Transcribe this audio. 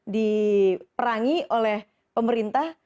diperangi oleh pemerintah